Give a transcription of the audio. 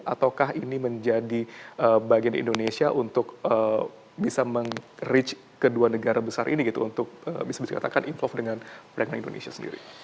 apakah ini bisa menjadi bagian indonesia untuk bisa mencapai kedua negara besar ini untuk bisa dikatakan bergantung dengan perdagangan indonesia sendiri